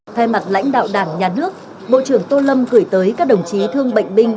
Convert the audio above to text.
thay mặt lãnh đạo đảng nhà nước bộ trưởng tô lâm gửi tới các đồng chí thương bệnh binh